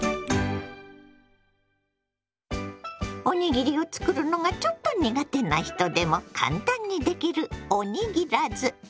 おにぎりを作るのがちょっと苦手な人でも簡単にできるおにぎらず。